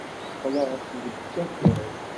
Qqleɣ-d deg usakal.